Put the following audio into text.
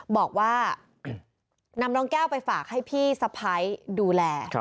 บอกว่านำน้องแก้วไปฝากให้พี่สะพ้ายดูแล